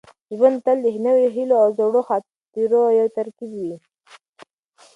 ژوند تل د نویو هیلو او زړو خاطرو یو ترکیب وي.